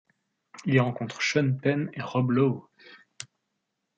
Il y rencontre Sean Penn et Rob Lowe.